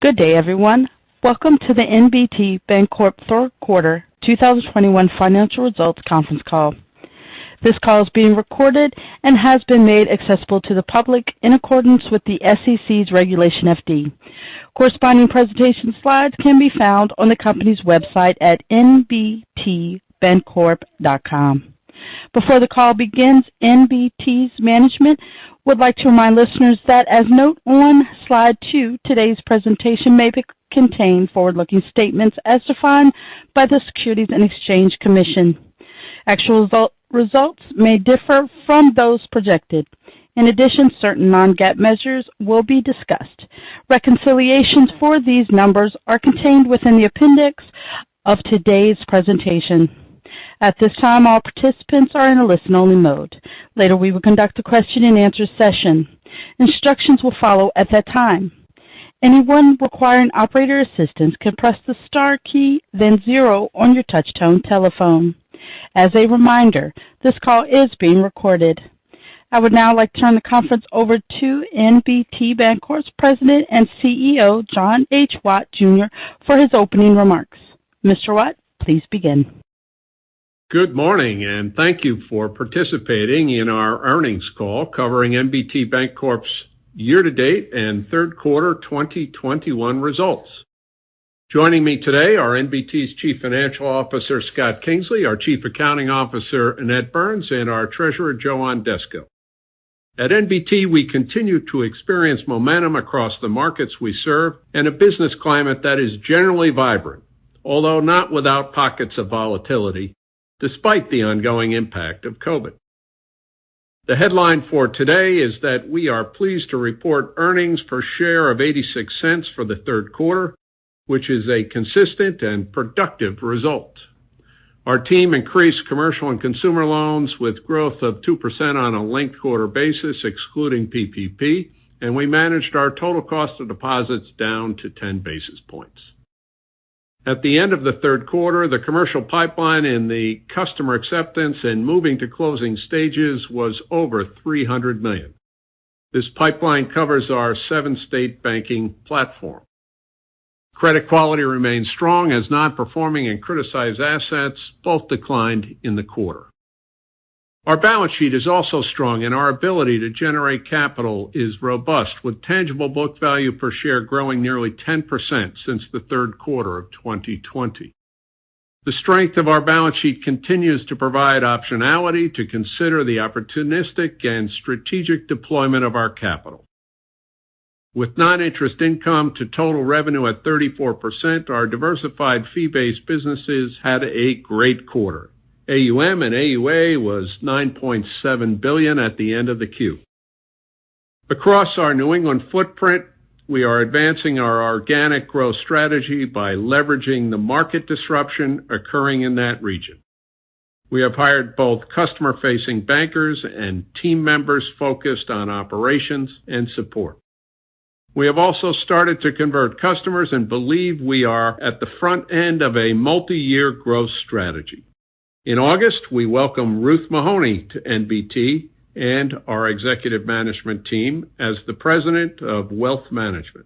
Good day, everyone. Welcome to the NBT Bancorp third quarter 2021 financial results conference call. This call is being recorded and has been made accessible to the public in accordance with the SEC's Regulation FD. Corresponding presentation slides can be found on the company's website at nbtbancorp.com. Before the call begins, NBT's management would like to remind listeners that as noted on slide two, today's presentation may contain forward-looking statements as defined by the Securities and Exchange Commission. Actual results may differ from those projected. In addition, certain non-GAAP measures will be discussed. Reconciliations for these numbers are contained within the appendix of today's presentation. At this time, all participants are in a listen-only mode. Later, we will conduct a Q&A session. Instructions will follow at that time. Anyone requiring operator assistance can press the star key, then zero on your touchtone telephone. As a reminder, this call is being recorded. I would now like to turn the conference over to NBT Bancorp's President and CEO, John H. Watt Jr., for his opening remarks. Mr. Watt, please begin. Good morning, and thank you for participating in our earnings call covering NBT Bancorp's year-to-date and third quarter 2021 results. Joining me today are NBT's Chief Financial Officer, Scott Kingsley, our Chief Accounting Officer, Annette Burns, and our Treasurer, Joan Desko. At NBT, we continue to experience momentum across the markets we serve and a business climate that is generally vibrant, although not without pockets of volatility despite the ongoing impact of COVID. The headline for today is that we are pleased to report earnings per share of $0.86 for the third quarter, which is a consistent and productive result. Our team increased commercial and consumer loans with growth of 2% on a linked quarter basis, excluding PPP, and we managed our total cost of deposits down to 10 basis points. At the end of the third quarter, the commercial pipeline and the customer acceptance and moving to closing stages was over $300 million. This pipeline covers our seven-state banking platform. Credit quality remains strong as non-performing and criticized assets both declined in the quarter. Our balance sheet is also strong, and our ability to generate capital is robust, with tangible book value per share growing nearly 10% since the third quarter of 2020. The strength of our balance sheet continues to provide optionality to consider the opportunistic and strategic deployment of our capital. With non-interest income to total revenue at 34%, our diversified fee-based businesses had a great quarter. AUM and AUA was $9.7 billion at the end of the Q. Across our New England footprint, we are advancing our organic growth strategy by leveraging the market disruption occurring in that region. We have hired both customer-facing bankers and team members focused on operations and support. We have also started to convert customers and believe we are at the front end of a multi-year growth strategy. In August, we welcomed Ruth Mahoney to NBT and our executive management team as the President of Wealth Management.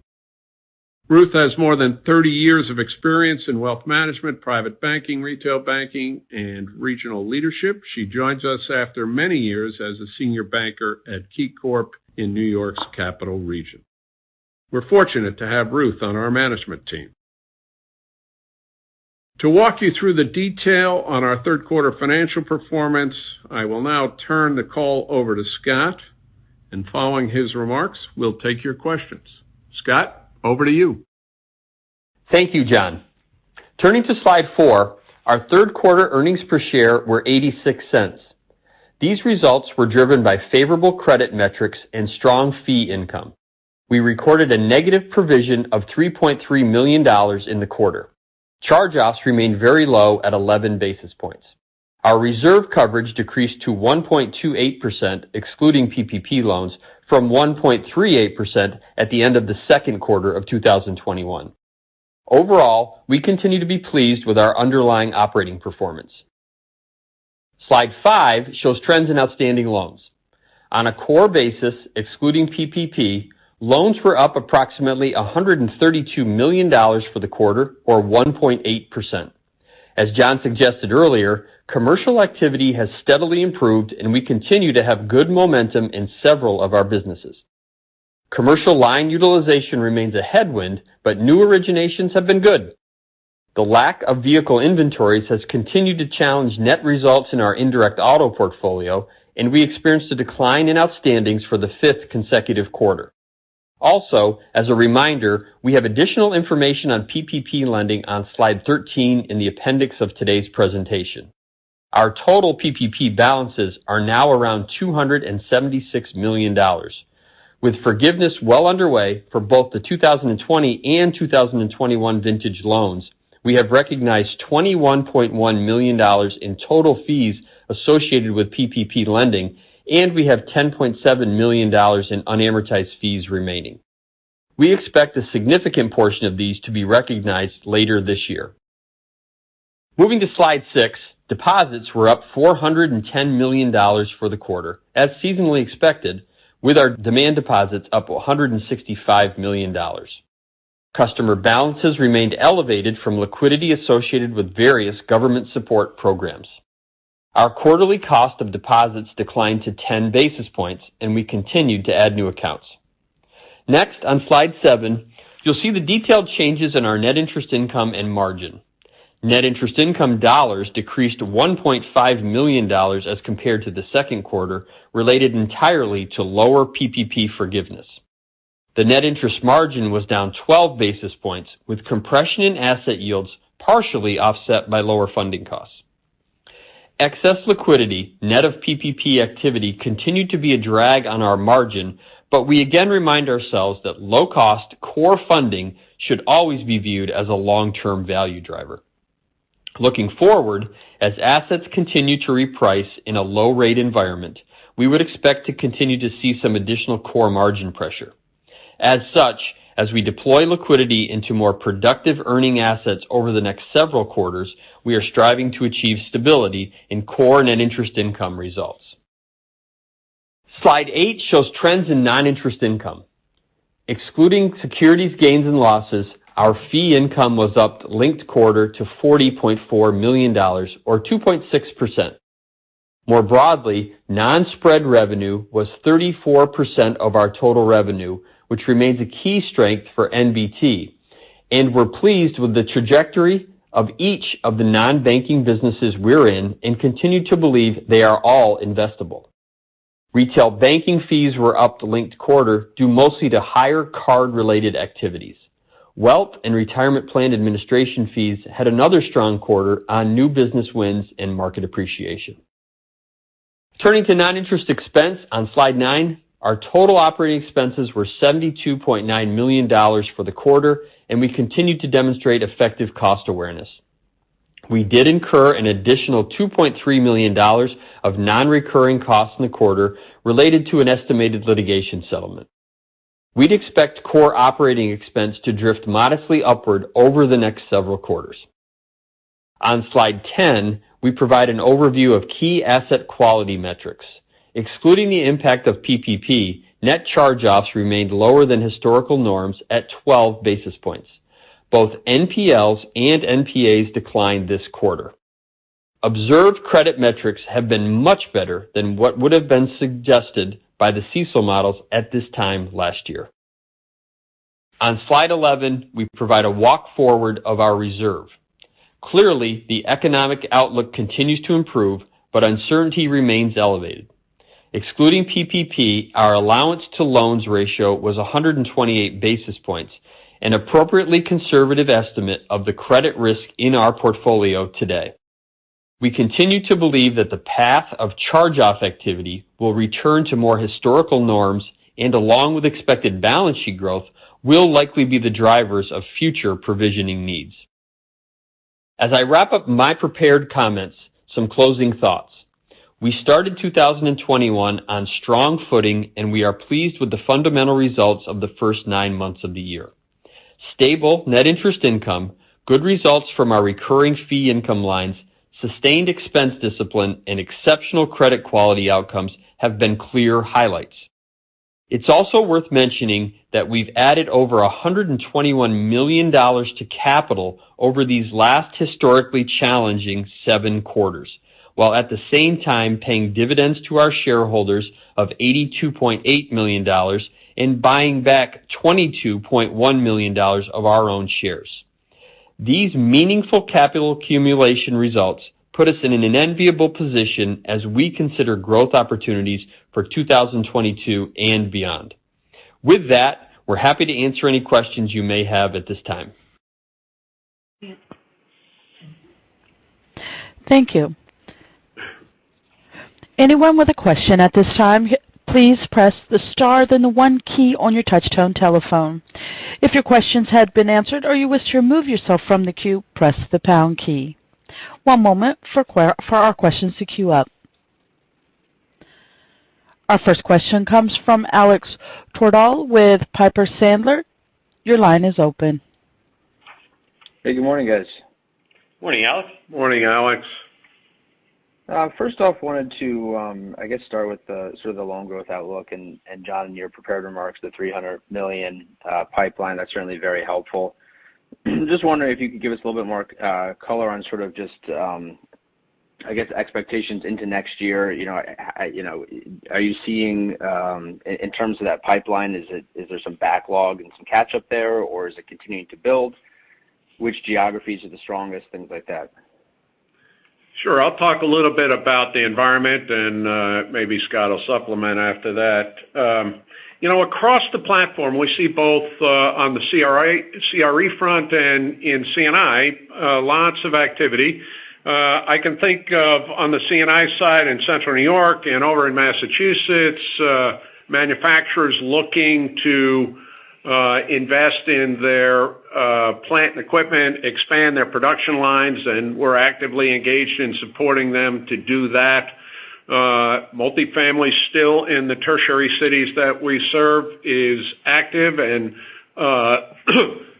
Ruth has more than 30 years of experience in wealth management, private banking, retail banking, and regional leadership. She joins us after many years as a senior banker at KeyCorp in New York's Capital Region. We're fortunate to have Ruth on our management team. To walk you through the detail on our third quarter financial performance, I will now turn the call over to Scott, and following his remarks, we'll take your questions. Scott, over to you. Thank you, John. Turning to slide four, our third quarter earnings per share were $0.86. These results were driven by favorable credit metrics and strong fee income. We recorded a negative provision of $3.3 million in the quarter. Charge-offs remained very low at 11 basis points. Our reserve coverage decreased to 1.28%, excluding PPP loans, from 1.38% at the end of the second quarter of 2021. Overall, we continue to be pleased with our underlying operating performance. Slide five shows trends in outstanding loans. On a core basis, excluding PPP, loans were up approximately $132 million for the quarter, or 1.8%. As John suggested earlier, commercial activity has steadily improved, and we continue to have good momentum in several of our businesses. Commercial line utilization remains a headwind, but new originations have been good. The lack of vehicle inventories has continued to challenge net results in our indirect auto portfolio, and we experienced a decline in outstandings for the fifth consecutive quarter. Also, as a reminder, we have additional information on PPP lending on slide 13 in the appendix of today's presentation. Our total PPP balances are now around $276 million. With forgiveness well underway for both the 2020 and 2021 vintage loans, we have recognized $21.1 million in total fees associated with PPP lending, and we have $10.7 million in unamortized fees remaining. We expect a significant portion of these to be recognized later this year. Moving to slide six. Deposits were up $410 million for the quarter, as seasonally expected, with our demand deposits up $165 million. Customer balances remained elevated from liquidity associated with various government support programs. Our quarterly cost of deposits declined to 10 basis points, and we continued to add new accounts. Next, on slide seven, you'll see the detailed changes in our net interest income and margin. Net interest income dollars decreased $1.5 million as compared to the second quarter, related entirely to lower PPP forgiveness. The net interest margin was down 12 basis points, with compression in asset yields partially offset by lower funding costs. Excess liquidity net of PPP activity continued to be a drag on our margin, but we again remind ourselves that low cost core funding should always be viewed as a long-term value driver. Looking forward, as assets continue to reprice in a low rate environment, we would expect to continue to see some additional core margin pressure. As such, as we deploy liquidity into more productive earning assets over the next several quarters, we are striving to achieve stability in core net interest income results. Slide eight shows trends in non-interest income. Excluding securities gains and losses, our fee income was up linked quarter to $40.4 million or 2.6%. More broadly, non-spread revenue was 34% of our total revenue, which remains a key strength for NBT, and we're pleased with the trajectory of each of the non-banking businesses we're in and continue to believe they are all investable. Retail banking fees were up linked quarter due mostly to higher card-related activities. Wealth and retirement plan administration fees had another strong quarter on new business wins and market appreciation. Turning to non-interest expense on slide nine. Our total operating expenses were $72.9 million for the quarter, and we continued to demonstrate effective cost awareness. We did incur an additional $2.3 million of non-recurring costs in the quarter related to an estimated litigation settlement. We'd expect core operating expense to drift modestly upward over the next several quarters. On slide 10, we provide an overview of key asset quality metrics. Excluding the impact of PPP, net charge-offs remained lower than historical norms at 12 basis points. Both NPLs and NPAs declined this quarter. Observed credit metrics have been much better than what would have been suggested by the CECL models at this time last year. On slide 11, we provide a walk forward of our reserve. Clearly, the economic outlook continues to improve, but uncertainty remains elevated. Excluding PPP, our allowance to loans ratio was 128 basis points, an appropriately conservative estimate of the credit risk in our portfolio today. We continue to believe that the path of charge-off activity will return to more historical norms and along with expected balance sheet growth, will likely be the drivers of future provisioning needs. As I wrap up my prepared comments, some closing thoughts. We started 2021 on strong footing, and we are pleased with the fundamental results of the first nine months of the year. Stable net interest income, good results from our recurring fee income lines, sustained expense discipline, and exceptional credit quality outcomes have been clear highlights. It's also worth mentioning that we've added over $121 million to capital over these last historically challenging seven quarters, while at the same time paying dividends to our shareholders of $82.8 million and buying back $22.1 million of our own shares. These meaningful capital accumulation results put us in an enviable position as we consider growth opportunities for 2022 and beyond. With that, we're happy to answer any questions you may have at this time. Thank you. Anyone with a question at this time, please press the star then the one key on your touch tone telephone. If your questions have been answered or you wish to remove yourself from the queue, press the pound key. One moment for our questions to queue up. Our first question comes from Alexander Twerdahl with Piper Sandler. Your line is open. Hey, good morning, guys. Morning, Alex. Morning, Alex. First off, wanted to, I guess start with sort of the loan growth outlook. John, in your prepared remarks, the $300 million pipeline, that's certainly very helpful. Just wondering if you could give us a little bit more color on sort of just, I guess, expectations into next year. You know, you know, are you seeing, in terms of that pipeline, is there some backlog and some catch up there, or is it continuing to build? Which geographies are the strongest, things like that? Sure. I'll talk a little bit about the environment and, maybe Scott will supplement after that. You know, across the platform we see both, on the CRE front and in C&I, lots of activity. I can think of on the C&I side in central New York and over in Massachusetts, manufacturers looking to, invest in their, plant and equipment, expand their production lines, and we're actively engaged in supporting them to do that. Multifamily still in the tertiary cities that we serve is active and,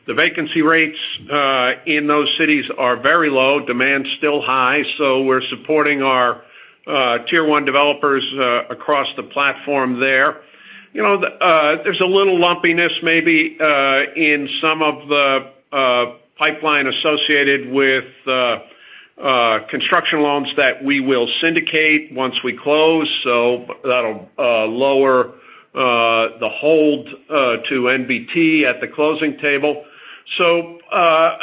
the vacancy rates, in those cities are very low, demand's still high. We're supporting our, tier one developers, across the platform there. You know, the, there's a little lumpiness maybe, in some of the, pipeline associated with, construction loans that we will syndicate once we close. That'll lower the hold to NBT at the closing table. I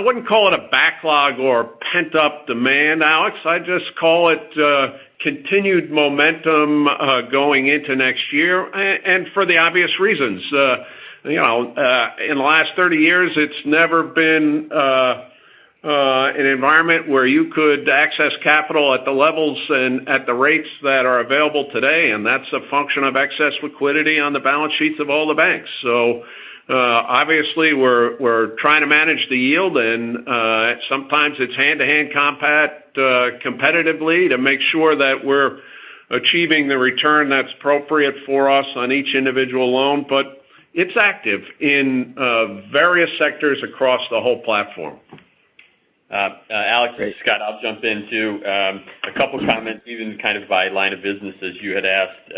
wouldn't call it a backlog or pent-up demand, Alex. I just call it continued momentum going into next year and for the obvious reasons. You know, in the last 30 years, it's never been an environment where you could access capital at the levels and at the rates that are available today, and that's a function of excess liquidity on the balance sheets of all the banks. Obviously we're trying to manage the yield and sometimes it's hand-to-hand competitively to make sure that we're achieving the return that's appropriate for us on each individual loan. It's active in various sectors across the whole platform. Alex, it's Scott. I'll jump in, too. A couple of comments, even kind of by line of business as you had asked.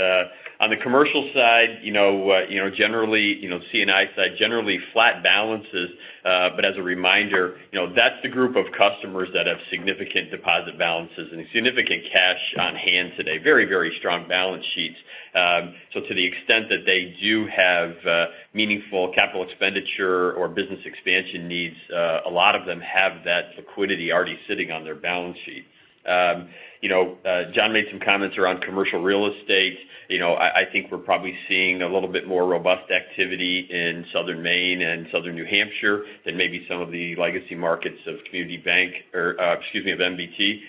On the commercial side, you know, generally, C&I side, generally flat balances. But as a reminder, you know, that's the group of customers that have significant deposit balances and significant cash on hand today. Very strong balance sheets. So to the extent that they do have meaningful capital expenditure or business expansion needs, a lot of them have that liquidity already sitting on their balance sheet. You know, John made some comments around commercial real estate. You know, I think we're probably seeing a little bit more robust activity in Southern Maine and Southern New Hampshire than maybe some of the legacy markets of Community Bank or, excuse me, of NBT.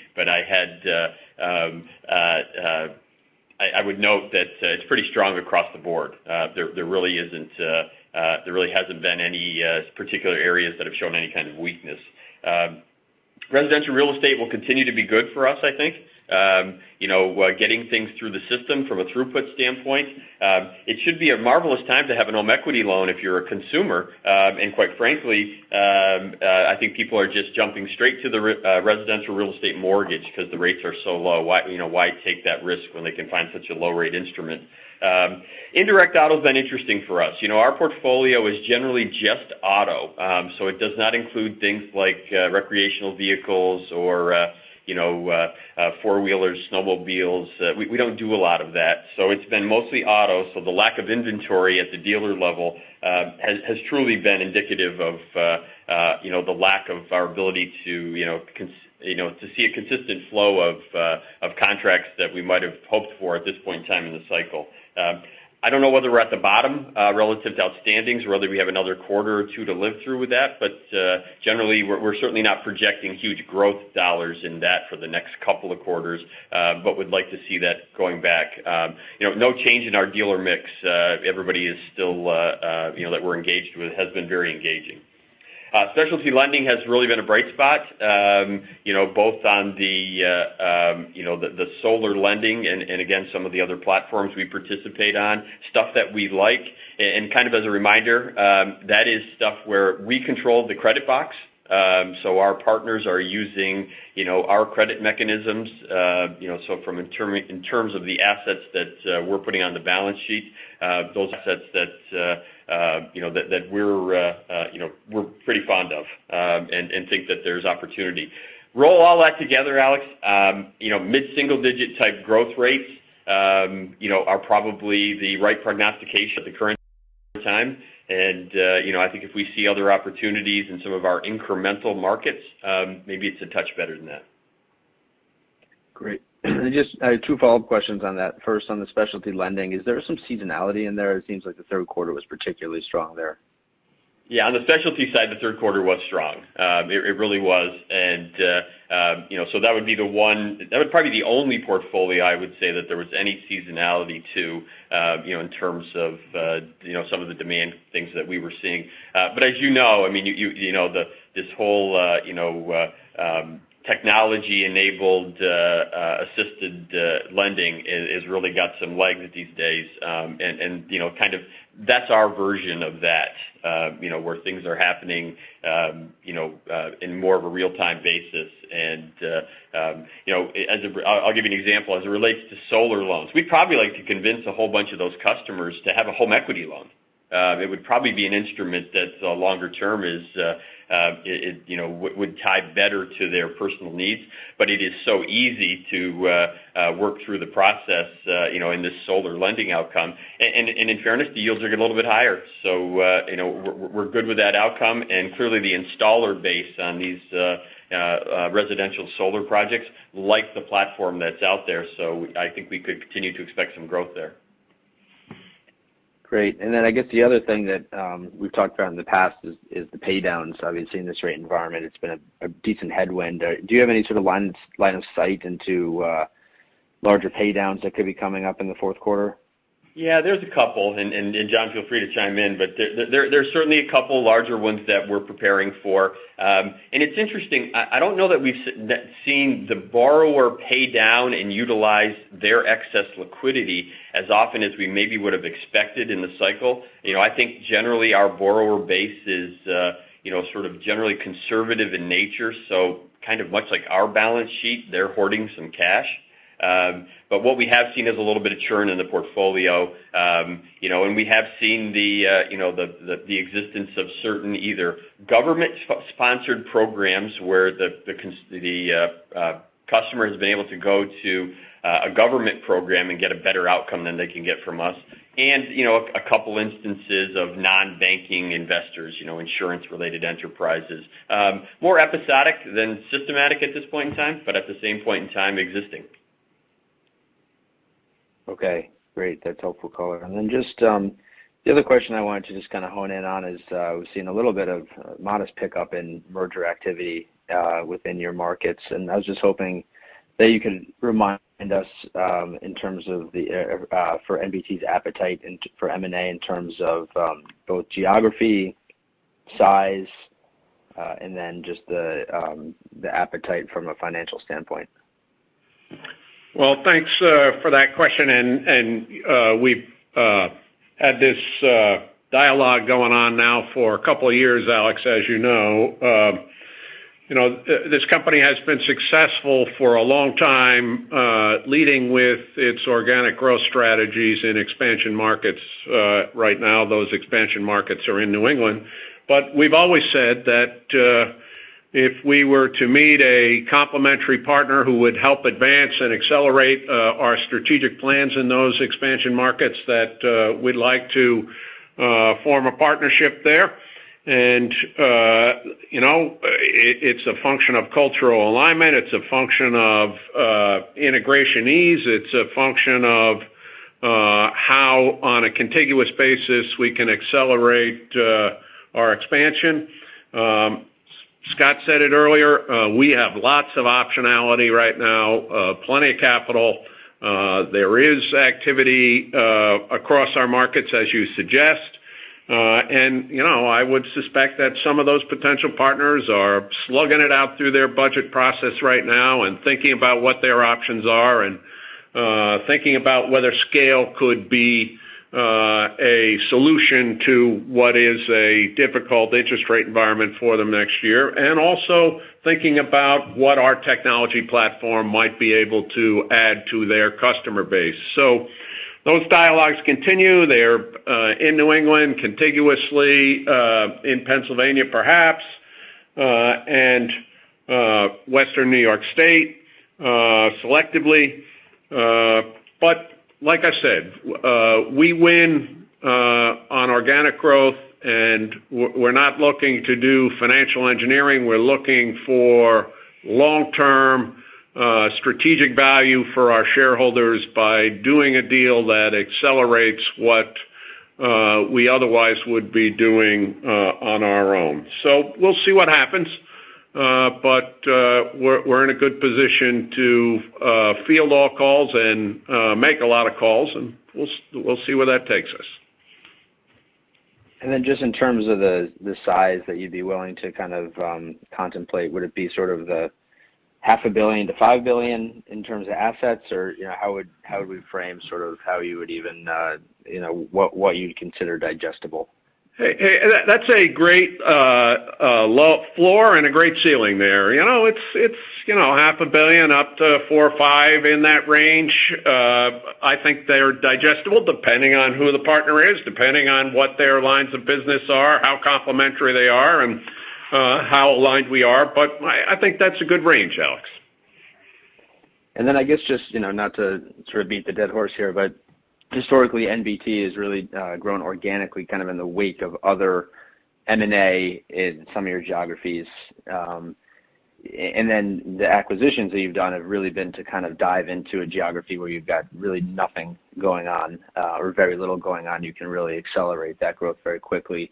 I would note that it's pretty strong across the board. There really hasn't been any particular areas that have shown any kind of weakness. Residential real estate will continue to be good for us, I think. You know, getting things through the system from a throughput standpoint, it should be a marvelous time to have a home equity loan if you're a consumer. Quite frankly, I think people are just jumping straight to the residential real estate mortgage because the rates are so low. Why, you know, why take that risk when they can find such a low rate instrument? Indirect auto has been interesting for us. You know, our portfolio is generally just auto. It does not include things like recreational vehicles or you know four-wheelers snowmobiles. We don't do a lot of that. It's been mostly auto. The lack of inventory at the dealer level has truly been indicative of you know the lack of our ability to you know to see a consistent flow of contracts that we might have hoped for at this point in time in the cycle. I don't know whether we're at the bottom relative to outstandings or whether we have another quarter or two to live through with that. Generally, we're certainly not projecting huge growth dollars in that for the next couple of quarters, but we'd like to see that going back. You know, no change in our dealer mix. Everybody that we're engaged with has been very engaging. Specialty lending has really been a bright spot, you know, both on the solar lending and again, some of the other platforms we participate on, stuff that we like. Kind of as a reminder, that is stuff where we control the credit box. Our partners are using, you know, our credit mechanisms, you know, so in terms of the assets that we're putting on the balance sheet, those assets that we're pretty fond of and think that there's opportunity. Roll all that together, Alex, you know, mid-single digit type growth rates, you know, are probably the right prognostication at the current time. You know, I think if we see other opportunities in some of our incremental markets, maybe it's a touch better than that. Great. Just, I have two follow-up questions on that. First, on the specialty lending, is there some seasonality in there? It seems like the third quarter was particularly strong there. Yeah. On the specialty side, the third quarter was strong. It really was. That would probably be the only portfolio I would say that there was any seasonality to, you know, in terms of, you know, some of the demand things that we were seeing. As you know, I mean, you know, this whole, you know, technology-enabled assisted lending has really got some legs these days. You know, kind of that's our version of that, you know, where things are happening, you know, in more of a real-time basis. I'll give you an example, as it relates to solar loans. We'd probably like to convince a whole bunch of those customers to have a home equity loan. It would probably be an instrument that's longer-term. It, you know, would tie better to their personal needs. It is so easy to work through the process, you know, in this solar lending outcome. In fairness, the yields are a little bit higher. You know, we're good with that outcome. Clearly, the installed base on these residential solar projects like the platform that's out there, I think we could continue to expect some growth there. Great. I guess the other thing that we've talked about in the past is the paydowns. Obviously, in this rate environment, it's been a decent headwind. Do you have any sort of line of sight into larger paydowns that could be coming up in the fourth quarter? Yeah, there's a couple, and John, feel free to chime in, but there's certainly a couple larger ones that we're preparing for. It's interesting. I don't know that we've seen the borrower pay down and utilize their excess liquidity as often as we maybe would've expected in the cycle. You know, I think generally our borrower base is, you know, sort of generally conservative in nature. Kind of much like our balance sheet, they're hoarding some cash. What we have seen is a little bit of churn in the portfolio. You know, we have seen the existence of certain either government sponsored programs where the customer has been able to go to a government program and get a better outcome than they can get from us. You know, a couple instances of non-banking investors, you know, insurance-related enterprises. More episodic than systematic at this point in time, but at the same point in time existing. Okay, great. That's helpful color. Just the other question I wanted to just kind of hone in on is, we've seen a little bit of modest pickup in merger activity within your markets. I was just hoping that you can remind us in terms of for NBT's appetite and for M&A in terms of both geography, size, and then just the appetite from a financial standpoint. Well, thanks for that question. We've had this dialogue going on now for a couple of years, Alex, as you know. You know, this company has been successful for a long time, leading with its organic growth strategies in expansion markets. Right now, those expansion markets are in New England. We've always said that if we were to meet a complementary partner who would help advance and accelerate our strategic plans in those expansion markets, that we'd like to form a partnership there. You know, it's a function of cultural alignment. It's a function of integration ease. It's a function of how on a contiguous basis we can accelerate our expansion. Scott said it earlier, we have lots of optionality right now, plenty of capital. There is activity across our markets, as you suggest. You know, I would suspect that some of those potential partners are slugging it out through their budget process right now and thinking about what their options are, and thinking about whether scale could be a solution to what is a difficult interest rate environment for them next year, also thinking about what our technology platform might be able to add to their customer base. Those dialogues continue. They're in New England, contiguously, in Pennsylvania perhaps, and western New York State, selectively. Like I said, we win on organic growth, and we're not looking to do financial engineering. We're looking for long-term, strategic value for our shareholders by doing a deal that accelerates what we otherwise would be doing on our own. We'll see what happens. We're in a good position to field all calls and make a lot of calls, and we'll see where that takes us. Just in terms of the size that you'd be willing to kind of contemplate, would it be sort of the half a billion to $5 billion in terms of assets? Or, you know, how would we frame sort of how you would even, you know, what you'd consider digestible? Hey, hey, that's a great floor and a great ceiling there. You know, it's you know, half a billion up to four or five in that range. I think they're digestible depending on who the partner is, depending on what their lines of business are, how complementary they are, and how aligned we are. I think that's a good range, Alex. I guess just, you know, not to sort of beat the dead horse here, but historically, NBT has really grown organically, kind of in the wake of other M&A in some of your geographies. And then the acquisitions that you've done have really been to kind of dive into a geography where you've got really nothing going on, or very little going on, you can really accelerate that growth very quickly.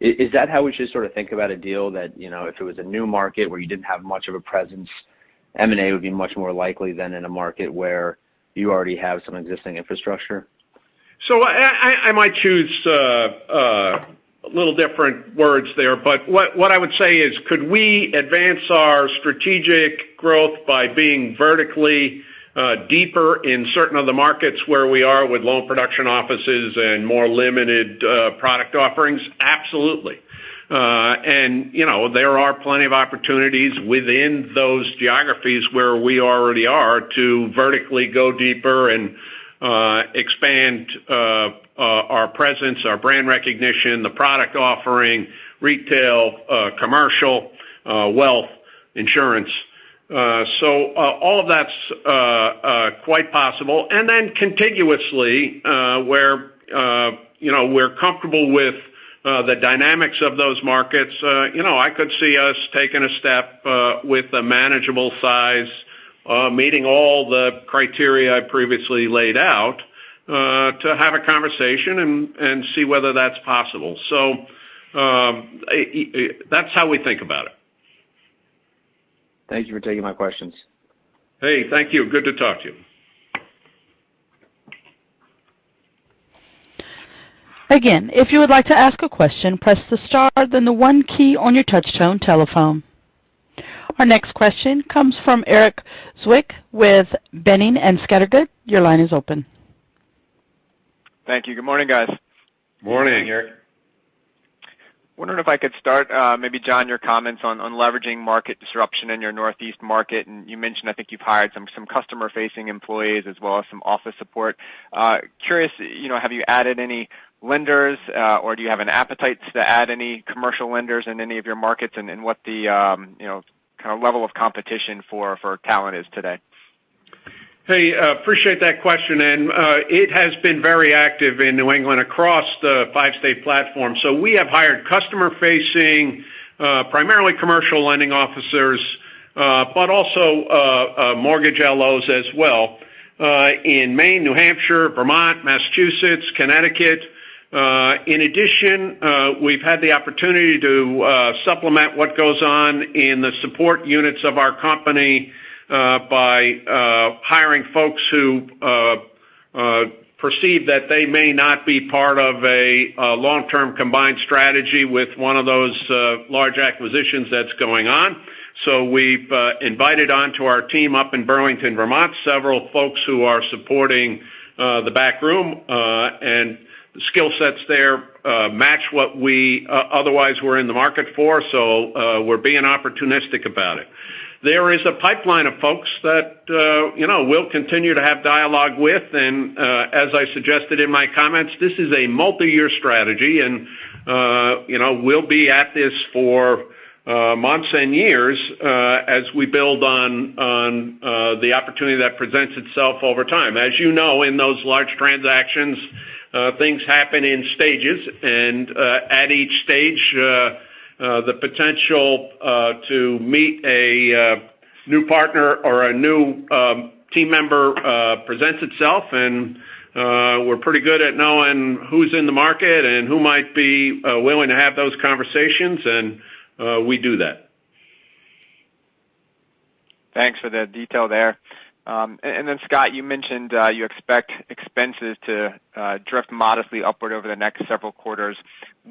Is that how we should sort of think about a deal that, you know, if it was a new market where you didn't have much of a presence, M&A would be much more likely than in a market where you already have some existing infrastructure? I might choose little different words there, but what I would say is could we advance our strategic growth by being vertically deeper in certain of the markets where we are with loan production offices and more limited product offerings? Absolutely. You know, there are plenty of opportunities within those geographies where we already are to vertically go deeper and expand our presence, our brand recognition, the product offering, retail, commercial, wealth, insurance. All of that's quite possible. Then contiguously, where you know, we're comfortable with the dynamics of those markets, you know, I could see us taking a step with a manageable size, meeting all the criteria I previously laid out, to have a conversation and see whether that's possible. That's how we think about it. Thank you for taking my questions. Hey, thank you. Good to talk to you. Again, if you would like to ask a question, press the star, then the one key on your touchtone telephone. Our next question comes from Erik Zwick with Boenning & Scattergood. Your line is open. Thank you. Good morning, guys. Morning, Erik. Wondering if I could start, maybe John, your comments on leveraging market disruption in your Northeast market. You mentioned I think you've hired some customer-facing employees as well as some office support. Curious, you know, have you added any lenders or do you have an appetite to add any commercial lenders in any of your markets and what the, you know, kind of level of competition for talent is today? Hey, appreciate that question. It has been very active in New England across the five-state platform. We have hired customer-facing, primarily commercial lending officers, but also, mortgage LOs as well, in Maine, New Hampshire, Vermont, Massachusetts, Connecticut. In addition, we've had the opportunity to supplement what goes on in the support units of our company, by hiring folks who perceive that they may not be part of a long-term combined strategy with one of those large acquisitions that's going on. We've invited onto our team up in Burlington, Vermont, several folks who are supporting the back room, and the skill sets there match what we otherwise were in the market for. We're being opportunistic about it. There is a pipeline of folks that, you know, we'll continue to have dialogue with. As I suggested in my comments, this is a multi-year strategy and, you know, we'll be at this for months and years, as we build on the opportunity that presents itself over time. As you know, in those large transactions, things happen in stages. At each stage, the potential to meet a new partner or a new team member presents itself. We're pretty good at knowing who's in the market and who might be willing to have those conversations, and we do that. Thanks for the detail there. Scott, you mentioned you expect expenses to drift modestly upward over the next several quarters.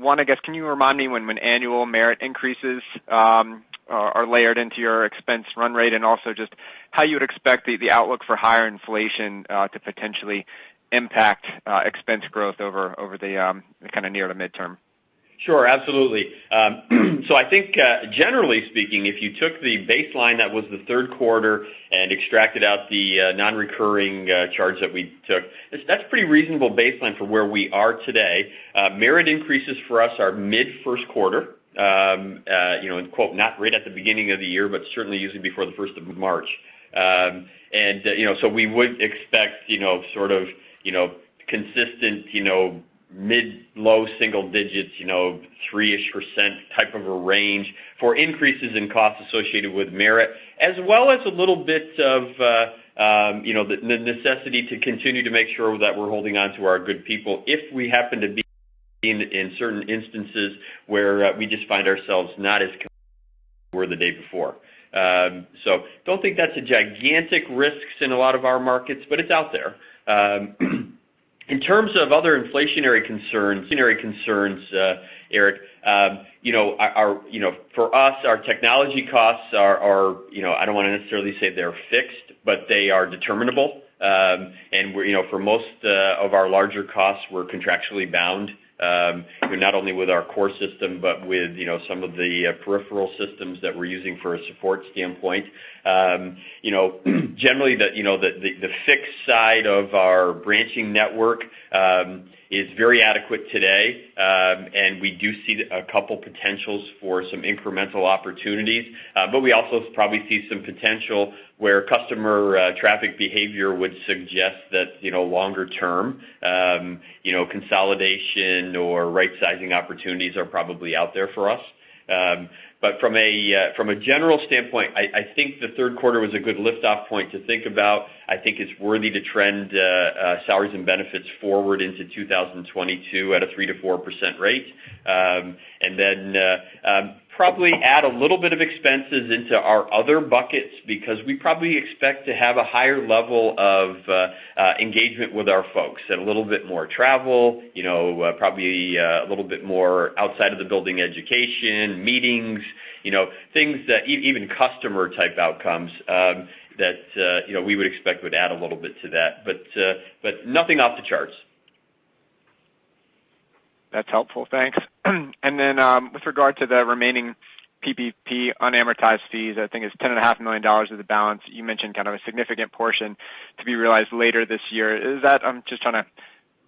I guess, can you remind me when annual merit increases are layered into your expense run rate? Just how you would expect the outlook for higher inflation to potentially impact expense growth over the kind of near to midterm. Sure. Absolutely. I think, generally speaking, if you took the baseline that was the third quarter and extracted out the non-recurring charge that we took, that's pretty reasonable baseline for where we are today. Merit increases for us are mid first quarter. You know, and quote, not right at the beginning of the year, but certainly usually before the first of March. You know, we would expect, you know, sort of, you know, consistent, you know, mid low single digits, you know, 3%-ish type of a range for increases in costs associated with merit, as well as a little bit of, you know, the necessity to continue to make sure that we're holding on to our good people if we happen to be in certain instances where we just find ourselves not as we were the day before. Don't think that's a gigantic risks in a lot of our markets, but it's out there. In terms of other inflationary concerns, Erik, you know, our, you know, for us, our technology costs are, you know, I don't wanna necessarily say they're fixed, but they are determinable. We're, you know, for most of our larger costs, we're contractually bound not only with our core system, but with, you know, some of the peripheral systems that we're using for a support standpoint. You know, generally, you know, the fixed side of our branching network is very adequate today. We do see a couple potentials for some incremental opportunities. We also probably see some potential where customer traffic behavior would suggest that, you know, longer term, you know, consolidation or rightsizing opportunities are probably out there for us. From a general standpoint, I think the third quarter was a good lift-off point to think about. I think it's worth it to trend salaries and benefits forward into 2022 at a 3%-4% rate. probably add a little bit of expenses into our other buckets because we probably expect to have a higher level of engagement with our folks. A little bit more travel, you know, probably a little bit more outside of the building education, meetings, you know, things that even customer-type outcomes that you know we would expect would add a little bit to that. Nothing off the charts. That's helpful. Thanks. With regard to the remaining PPP unamortized fees, I think it's $10.5 million of the balance. You mentioned kind of a significant portion to be realized later this year. Is that? I'm just trying to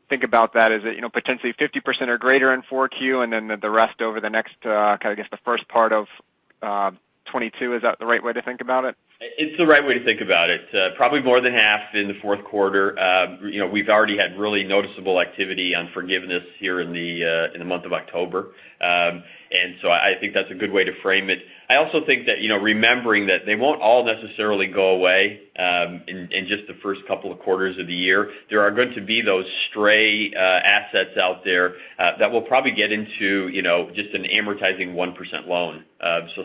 think about that. Is it, you know, potentially 50% or greater in 4Q, and then the rest over the next, kind of, I guess, the first part of 2022? Is that the right way to think about it? It's the right way to think about it. Probably more than half in the fourth quarter. You know, we've already had really noticeable activity on forgiveness here in the month of October. I think that's a good way to frame it. I also think that, you know, remembering that they won't all necessarily go away, in just the first couple of quarters of the year. There are going to be those stray assets out there that will probably get into, you know, just an amortizing 1% loan.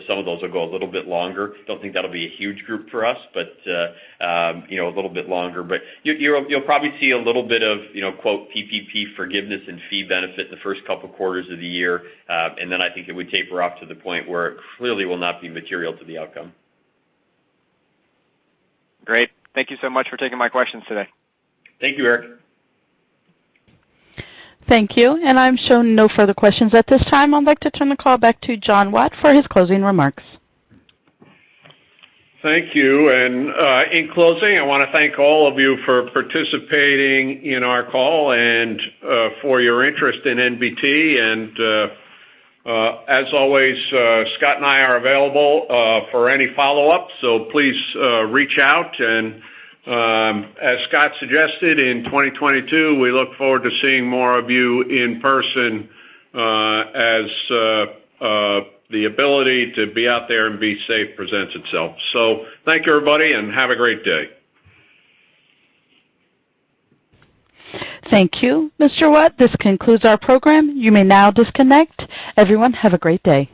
Some of those will go a little bit longer. I don't think that'll be a huge group for us, but you know, a little bit longer. You'll probably see a little bit of, you know, quote, PPP forgiveness and fee benefit in the first couple quarters of the year. Then I think it would taper off to the point where it clearly will not be material to the outcome. Great. Thank you so much for taking my questions today. Thank you, Erik. Thank you. I'm showing no further questions at this time. I'd like to turn the call back to John H. Watt Jr. for his closing remarks. Thank you. In closing, I wanna thank all of you for participating in our call and for your interest in NBT. As always, Scott and I are available for any follow-up, so please reach out. As Scott suggested, in 2022, we look forward to seeing more of you in person as the ability to be out there and be safe presents itself. Thank you, everybody, and have a great day. Thank you, Mr. Watt. This concludes our program. You may now disconnect. Everyone, have a great day.